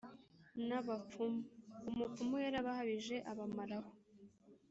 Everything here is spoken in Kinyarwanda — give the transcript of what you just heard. n’abapfumu”! Umupfumu yarabahabije, abamaraho